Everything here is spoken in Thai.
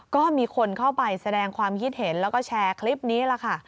ก็มีคนเข้าไปแสดงความคิดเห็นแล้วก็แชร์คลิปนี้แหละค่ะ